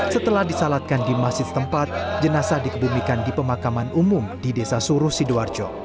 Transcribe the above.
setelah disalatkan di masjid tempat jenazah dikebumikan di pemakaman umum di desa suruh sidoarjo